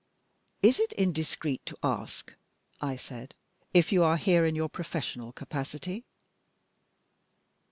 "Is it indiscreet to ask," I said, "if you are here in your professional capacity?"